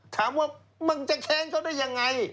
ถามว่ามึงจะแค้นเขาได้ยังไง